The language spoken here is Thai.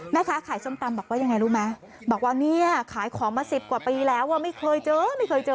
แม่ค้าขายส้มตำบอกว่ายังไงรู้ไหมบอกว่าเนี่ยขายของมาสิบกว่าปีแล้วอ่ะไม่เคยเจอไม่เคยเจอ